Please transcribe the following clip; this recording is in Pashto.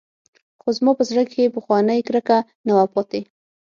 خو زما په زړه کښې پخوانۍ کرکه نه وه پاته.